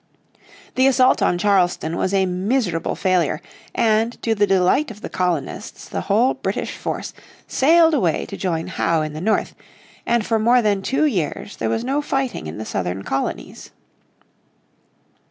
The assault on Charleston was a miserable failure, and to the delight of the colonists the whole British force sailed away to join Howe in the north, and for more than two years there was no fighting in the southern colonies.